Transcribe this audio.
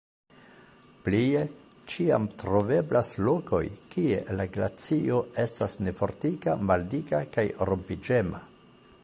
Plie, ĉiam troveblas lokoj, kie la glacio estas nefortika, maldika kaj rompiĝema.